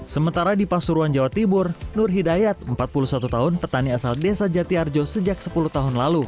sementara di pasuruan jawa timur nur hidayat empat puluh satu tahun petani asal desa jati arjo sejak sepuluh tahun lalu